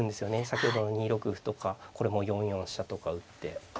先ほどの２六歩とかこれも４四飛車とか打って。